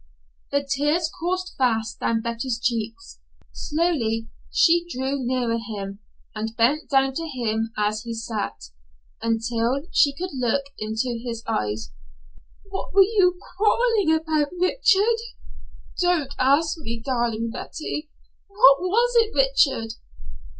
The tears coursed fast down Betty's cheeks. Slowly she drew nearer him, and bent down to him as he sat, until she could look into his eyes. "What were you quarreling about, Richard?" "Don't ask me, darling Betty." "What was it, Richard?"